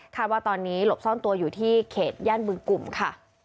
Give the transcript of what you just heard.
ว่าตอนนี้หลบซ่อนตัวอยู่ที่เขตย่านบึงกลุ่มค่ะ